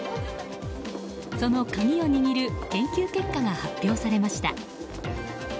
その鍵を握る研究結果が発表されました。